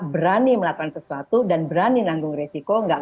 berani melakukan sesuatu dan berani nanggung resiko